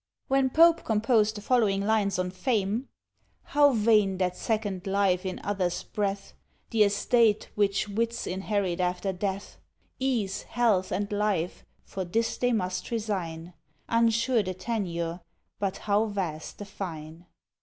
When Pope composed the following lines on Fame, How vain that second life in others' breath, The ESTATE which wits INHERIT after death; Ease, health, and life, for this they must resign, (Unsure the tenure, but how vast the _fine!